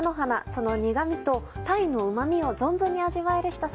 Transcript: その苦味と鯛のうま味を存分に味わえるひと皿。